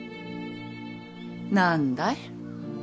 何だい？